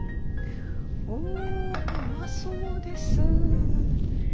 おおうまそうです。